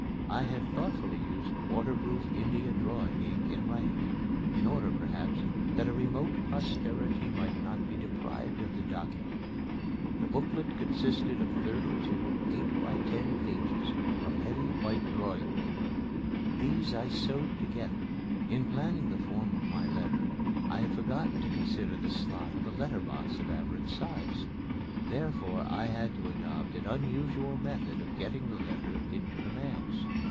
I had thoughtfully used waterproof India drawing ink in writing it, in order, perhaps, that a remote posterity might not be deprived of the document. The booklet consisted of thirty two eight by ten inch pages of heavy white drawing paper. These I sewed together. In planning the form of my letter I had forgotten to consider the slot of a letter box of average size. Therefore I had to adopt an unusual method of getting the letter into the mails.